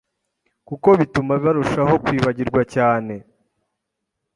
kuko bituma barushaho kwibagirwa cyane.